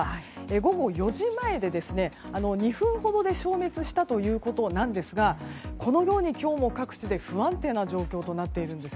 午後４時前で、２分ほどで消滅したということなんですがこのように今日も各地で不安定な状況となっています。